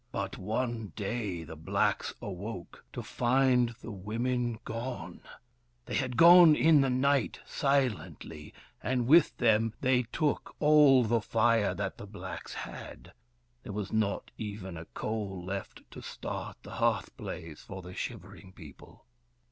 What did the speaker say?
But one day, the blacks awoke to find the women gone. They had gone in the night, silently, and with them they took all the fire that the blacks had. 229 230 WURIP. THE FIRE BRINGER There was not even a coal left to start the hearth blaze for the shivering people.